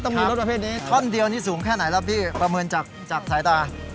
มีรถประเภทนี้ท่อนเดียวนี่สูงแค่ไหนแล้วพี่ประเมินจากสายตา